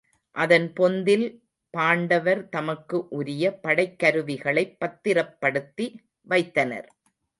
அதன் பொந்தில் பாண்டவர் தமக்கு உரிய படைக் கருவிகளைப் பத்திரப்படுத்தி வைத்தனர்.